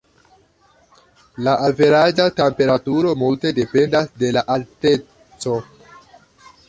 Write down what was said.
La averaĝa temperaturo multe dependas de la alteco.